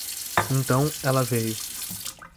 Então ela veio.